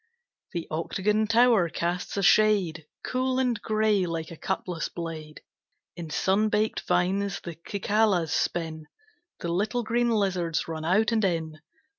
The octagon tower casts a shade Cool and gray like a cutlass blade; In sun baked vines the cicalas spin, The little green lizards run out and in.